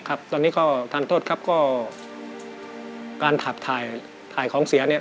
ครับตอนนี้ก็ทานโทษครับการถับถ่ายของเสีย